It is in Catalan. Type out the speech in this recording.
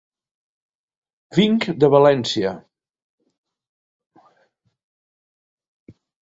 Vinc de València.